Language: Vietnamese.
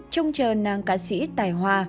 trông chờ nàng cá sĩ tài hoa